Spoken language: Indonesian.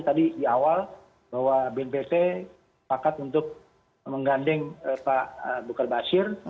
tadi di awal bahwa bnpt pakat untuk menggandeng pak abu bakar basir